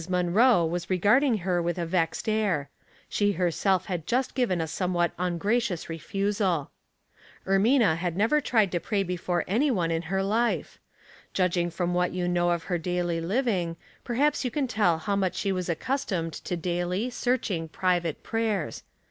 Munroe was regarding her with a vexed air; she herself had just given a somewhat un gracious refusal. Ermina had never tried to pray before any one in her life. Judging from what you know of her daily living, perhaps you can tell how much she was accustomed to daily, searching private prayers.